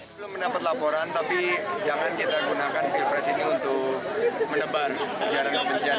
belum mendapat laporan tapi jangan kita gunakan pilpres ini untuk menebar ujaran kebencian